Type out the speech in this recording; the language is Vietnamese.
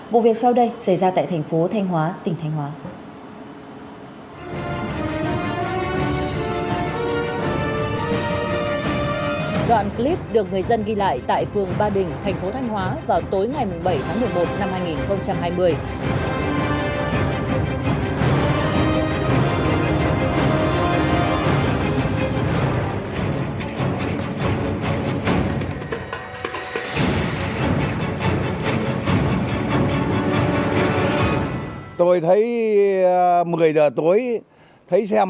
vụ việc sau đây xảy ra tại thành phố thanh hóa tỉnh thanh hóa